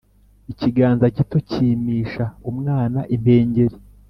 Ikiganza gito kimisha umwana impengeri